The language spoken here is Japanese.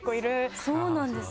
そうなんですか。